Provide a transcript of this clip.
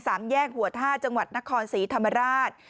แยกหัวท่าจังหวัดนครศรีธรรมราช